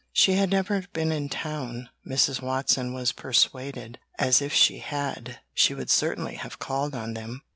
She had never been in town, Mrs. Watson was persuaded, as if she had, she would certainly have called on them.